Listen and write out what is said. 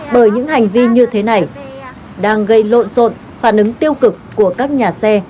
bởi những hành vi như thế này đang gây lộn xộn phản ứng tiêu cực của các nhà xe